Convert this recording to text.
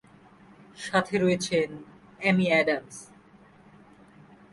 সাথে রয়েছেন Amy Adams.